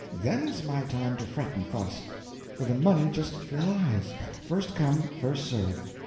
Then's my time to fret and fuss. For the money just flies—first come first served.